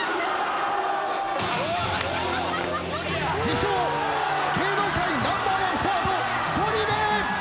自称芸能界ナンバーワンフォワードゴリ部。